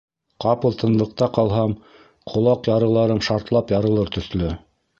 Ҡапыл тынлыҡта ҡалһам, ҡолаҡ ярыларым шартлап ярылыр төҫлө.